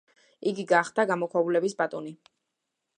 იგი გახდა გამოქვაბულების ბატონი.